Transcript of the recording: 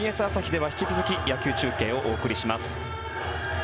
ＢＳ朝日では引き続き放送をお送りします。